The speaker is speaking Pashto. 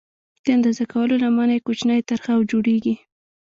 د اندازه کولو لمنه یې کوچنۍ طرحه او جوړېږي.